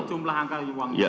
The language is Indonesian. hanya jumlah angka uang